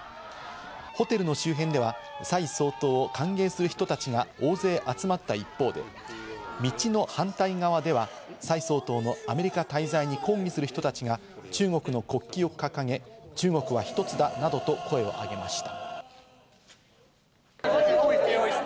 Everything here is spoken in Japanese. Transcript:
ホテルの周辺ではサイ総統を歓迎する人たちが大勢集まった一方で、道の反対側ではサイ総統のアメリカ滞在に抗議する人たちが中国の国旗を掲げ、中国は一つだなどと声をあげました。